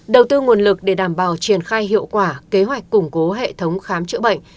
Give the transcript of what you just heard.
đầu tư nguồn lực để đảm bảo triển khai hiệu quả kế hoạch củng cố hệ thống khám chữa bệnh